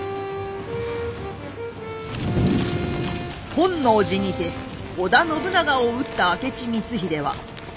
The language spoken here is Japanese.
本能寺にて織田信長を討った明智光秀は瞬く間に京を制圧。